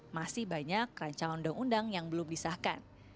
masih banyak rancangan undang undang yang belum disahkan